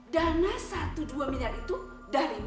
dana satu dua miliar itu dari